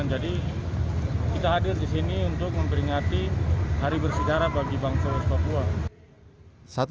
jadi kita hadir di sini untuk memperingati hari bersedara bagi bangsa west papua